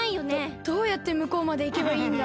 どうやってむこうまでいけばいいんだ？